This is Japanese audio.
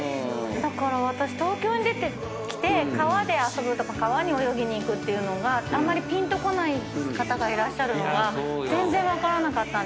だから私東京に出てきて川で遊ぶとか川に泳ぎに行くっていうのがあんまりぴんとこない方がいらっしゃるのが全然分からなかったんです。